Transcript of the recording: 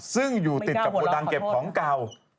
ซึ่งอยู่ติดกับโกดังเก็บของเก่า